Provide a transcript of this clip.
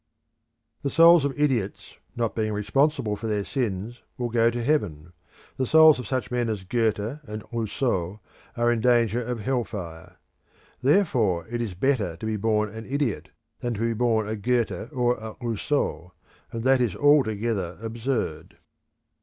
The souls of idiots not being responsible for their sins will go to heaven; the souls of such men as Goethe and Rousseau are in danger of hell fire. Therefore it is better to be born an idiot than to be born a Goethe or a Rousseau; and that is altogether absurd.